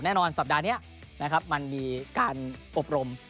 แน่นอนสัปดาห์นี้มันมีการอบรม